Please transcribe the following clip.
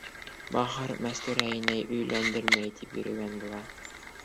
Бахыр, Мәстүрә инәй өйләндерәм тип йөрөгән була.